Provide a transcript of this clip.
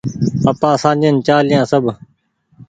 آپآن سآجين چآليا سب